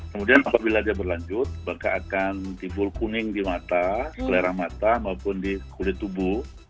kemudian apabila dia berlanjut maka akan timbul kuning di mata selera mata maupun di kulit tubuh